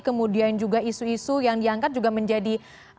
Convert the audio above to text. kemudian juga isu isu yang diangkat juga menjadi